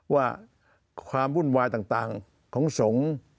ว่าความวุ่นวายต่างของสงฆ์